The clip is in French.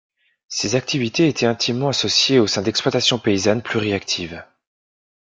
Ces activités étaient intimement associées au sein d'exploitations paysannes pluri actives.